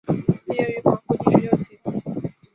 毕业于黄埔第十六期。